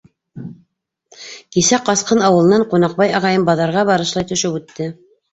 Кисә Ҡасҡын ауылынан Ҡунаҡбай ағайым баҙарға барышлай төшөп үтте.